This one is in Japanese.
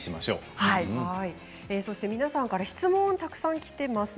皆さんから質問がたくさん来ています。